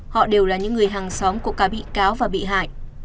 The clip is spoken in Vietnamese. họ đều là những người hàng xóm của cả bị cáo và bị hại